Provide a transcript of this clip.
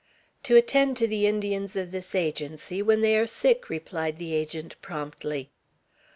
"To attend to the Indians of this Agency when they are sick," replied the Agent, promptly.